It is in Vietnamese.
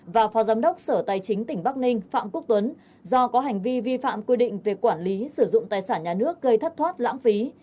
và phó giám đốc sở tài chính tỉnh bắc ninh phạm quốc tuấn do có hành vi vi phạm quy định về quản lý sử dụng tài sản nhà nước gây thất thoát lãng phí